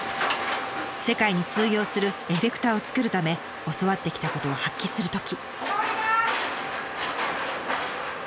世界に通用するエフェクターをつくるため教わってきたことを発揮するとき。